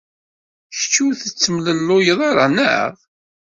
Kečč ur tettemlelluyed ara, naɣ?